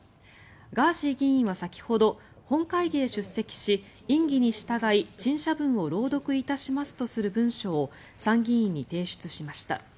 ガーシー議員は先ほど本会議へ出席し院議に従い、陳謝文を朗読いたしますとする文書を参議院に提出しました。